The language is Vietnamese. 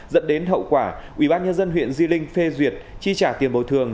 dẫn đến hậu quả ubnd huyện di linh phê duyệt chi trả tiền bồi thường